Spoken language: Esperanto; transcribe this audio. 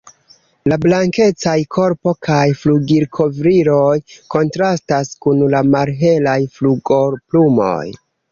La blankecaj korpo kaj flugilkovriloj kontrastas kun la malhelaj flugoplumoj.